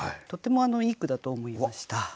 とってもいい句だと思いました。